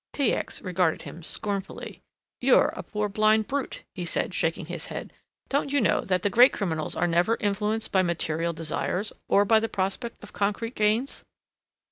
T. X. regarded him scornfully. "You're a poor blind brute," he said, shaking his head; don't you know that great criminals are never influenced by material desires, or by the prospect of concrete gains?